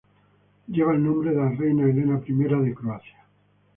Lleva el nombre de la reina Elena I de Croacia.